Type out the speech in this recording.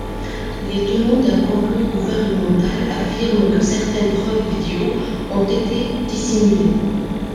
Les tenants d'un complot gouvernemental affirment que certaines preuves vidéos ont été dissimulées.